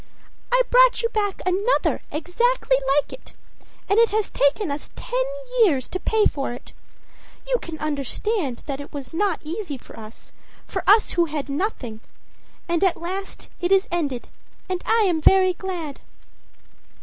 â âI brought you back another exactly like it. And it has taken us ten years to pay for it. You can understand that it was not easy for us, for us who had nothing. At last it is ended, and I am very glad.